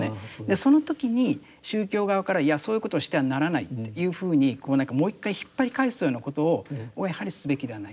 その時に宗教側からいやそういうことをしてはならないというふうにもう一回引っ張り返すようなことをやはりすべきではない。